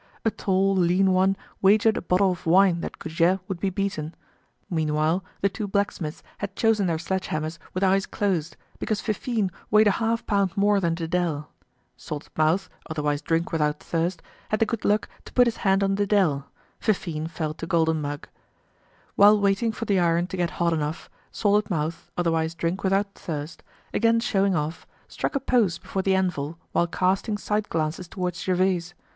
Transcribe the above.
A tall, lean one wagered a bottle of wine that Goujet would be beaten. Meanwhile the two blacksmiths had chosen their sledge hammers with eyes closed, because Fifine weighed a half pound more than Dedele. Salted Mouth, otherwise Drink without Thirst, had the good luck to put his hand on Dedele; Fifine fell to Golden Mug. While waiting for the iron to get hot enough, Salted Mouth, otherwise Drink without Thirst, again showing off, struck a pose before the anvil while casting side glances toward Gervaise.